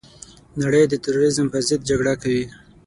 نړۍ د تروريزم پرضد جګړه کوي.